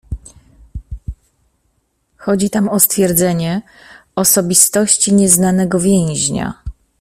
"Chodzi tam o stwierdzenie osobistości nieznanego więźnia."